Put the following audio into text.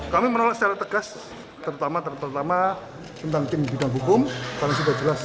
kami menolak secara tegas terutama tentang tim bidang hukum karena sudah jelas